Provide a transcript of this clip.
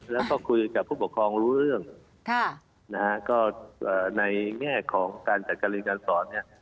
แล้วก็คุยกับผู้ปกครองรู้เรื่องค่ะนะฮะก็ในแง่ของการจัดการเรียนการสอนเนี่ย